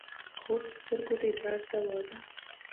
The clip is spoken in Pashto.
خوب د سترګو د درد دوا ده